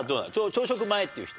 朝食前っていう人。